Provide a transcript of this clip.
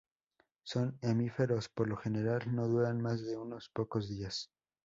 Son efímeros, por lo general no duran más de unos pocos días.